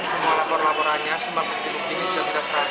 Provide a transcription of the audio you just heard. semua lapor laporannya semua bukti bukti itu sudah kita serahkan